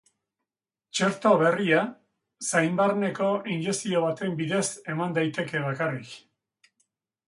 Txerto berria zain barneko injekzio baten bidez eman daiteke bakarrik.